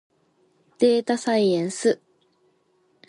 でーたさいえんす。